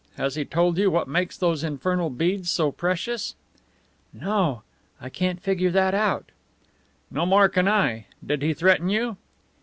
Has he told you what makes those infernal beads so precious?" "No. I can't figure that out." "No more can I. Did he threaten you?"